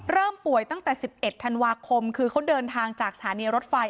เริ่มป่วยตั้งแต่๑๑ธันวาคมคือเขาเดินทางจากสถานีรถไฟ